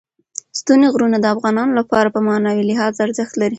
ستوني غرونه د افغانانو لپاره په معنوي لحاظ ارزښت لري.